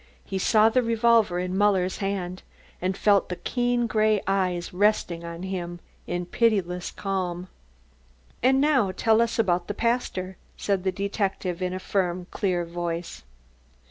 He saw the revolver in Muller's hand and felt the keen grey eyes resting on him in pitiless calm. "And now tell us about the pastor?" said the detective in a firm clear voice.